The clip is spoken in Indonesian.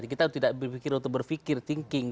kita tidak berpikir untuk berpikir thinking